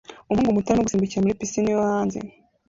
Umuhungu muto arimo gusimbukira muri pisine yo hanze